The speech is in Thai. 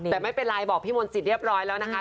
แต่ไม่เป็นไรบอกพี่มนตรีเรียบร้อยแล้วนะคะ